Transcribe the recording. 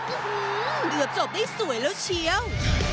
หื้อหื้อเรียบจบได้สวยแล้วเชียว